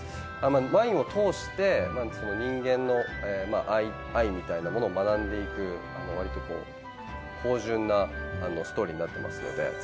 ワインを通して人間の愛みたいなものを学んでいく、華麗で芳醇なストーリーになっています。